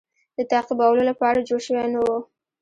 د تعقیبولو لپاره جوړ شوی نه وو.